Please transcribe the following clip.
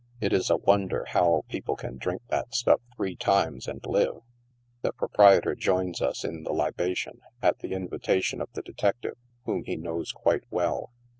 It is a wonder how people can drink that stuff three times and live. The proprietor joins us in the libation, at the invitation of the detective, whom he knows quite well.